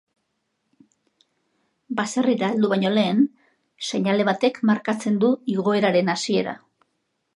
Baserrira heldu baino lehen, seinale batek markatzen du igoeraren hasiera.